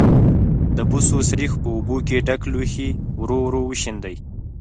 د بوسو سريښ په اوبو ډک لوښي کې ورو ورو وشیندئ.